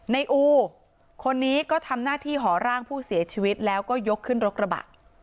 ในอูคนนี้ก็ทำหน้าที่ห่อร่างผู้เสียชีวิตแล้วก็ยกขึ้นรกระบะ